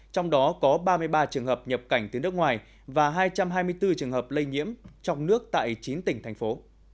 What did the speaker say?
trong đó có ba mươi ba trường hợp nhập cảnh từ nước ngoài và hai trăm hai mươi bốn trường hợp lây nhiễm trong nước tại chín tỉnh thành phố